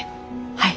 はい。